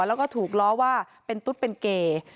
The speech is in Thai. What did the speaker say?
แล้วก็ถูกล้อว่าเป็นตุ๊ดเป็นเกย์